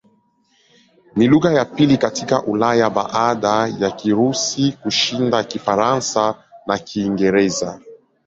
Ni lugha ya pili katika Ulaya baada ya Kirusi kushinda Kifaransa na Kiingereza.